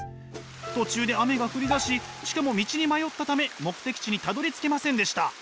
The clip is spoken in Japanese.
途中で雨が降りだししかも道に迷ったため目的地にたどりつけませんでした。